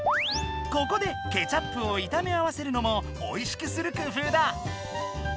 ここでケチャップを炒め合わせるのもおいしくする工夫だ。